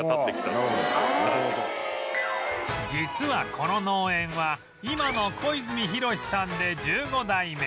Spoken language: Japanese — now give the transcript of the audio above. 実はこの農園は今の小泉博司さんで１５代目